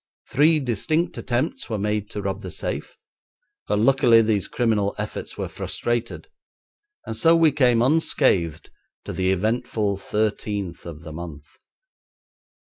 Three distinct attempts were made to rob the safe, but luckily these criminal efforts were frustrated, and so we came unscathed to the eventful thirteenth of the month.